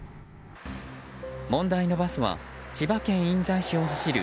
問題のバスは千葉県印西市を走る